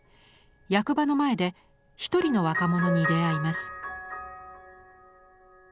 役場の前で一人の若者に出会います。